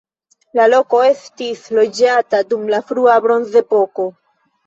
La loko estis loĝata dum la frua bronzepoko.